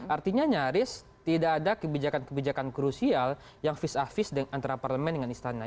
artinya nyaris tidak ada kebijakan kebijakan krusial yang vis a vis antara parlemen dengan istana